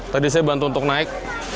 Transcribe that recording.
tadi saya bantu untuk naik